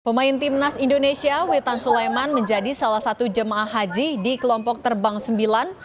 pemain timnas indonesia wetan sulaiman menjadi salah satu jemaah haji di kelompok terbang sembilan